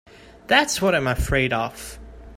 That's what I'm afraid of.